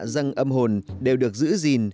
răng âm hồn đều được giữ gìn